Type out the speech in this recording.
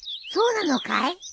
そうなのかい？